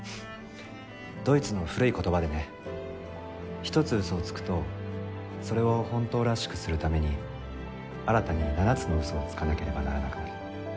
ドイツの古い言葉でね１つ嘘をつくとそれを本当らしくするために新たに７つの嘘をつかなければならなくなる。